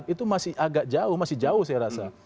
dua ribu dua puluh empat itu masih agak jauh masih jauh saya rasa